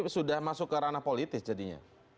sudah masuk ke ranah politis jadinya